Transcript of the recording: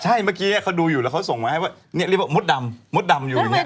ใช่เมื่อกี้เขาดูอยู่แล้วเขาส่งมาให้ว่าเรียกว่ามดดำมดดำอยู่อย่างนี้